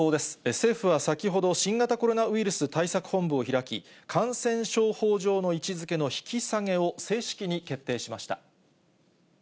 政府は先ほど、新型コロナウイルス対策本部を開き、感染症法上の位置づけの引き下げを、正式に決定しました。